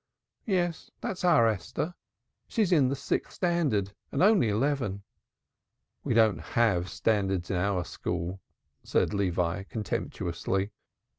"Yes, that's our Esther she's in the sixth standard and only eleven." "We don't have standards in our school!" said Levi contemptuously.